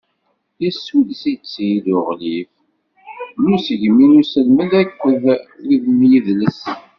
Yessuddes-itt-id Uɣlif n Usegmi d Uselmed akked win n Yidles.